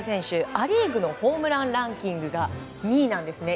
ア・リーグのホームランランキングが２位なんですね。